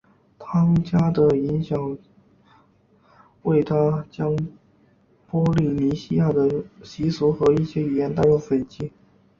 汤加的影响为他将波利尼西亚的习俗和一些语言带入斐济。